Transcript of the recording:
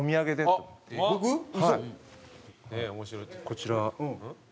こちら。